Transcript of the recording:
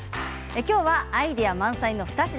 今日はアイデア満載の２品。